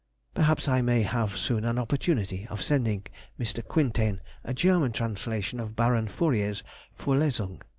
Perhaps I may have soon an opportunity of sending by Mr. Quintain a German translation of Baron Fourier's "Forlesung."